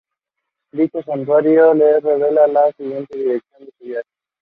Dicho santuario les revela la siguiente dirección de su viaje.